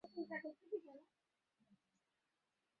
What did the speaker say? তিনি রাজনৈতিক নৈরাজ্য হিসেবে গ্রহণ করেন।